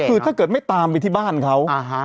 คือถ้าเกิดไม่ตามไปที่บ้านเขา